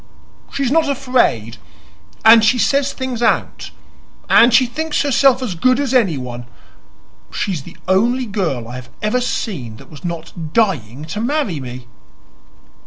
"She's not afraid, and she says things out, and she thinks herself as good as anyone. She is the only girl I have ever seen that was not dying to marry me."